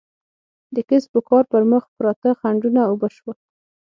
د کسب و کار پر مخ پراته خنډونه اوبه شول.